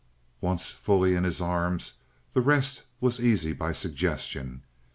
Once fully in his arms, the rest was easy by suggestion.